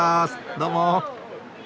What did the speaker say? どうも！